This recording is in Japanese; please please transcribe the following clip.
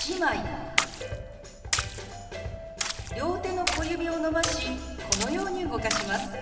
両手の小指を伸ばしこのように動かします。